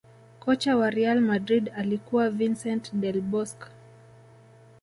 Kocha wa real madrid alikuwa Vincent Del Bosque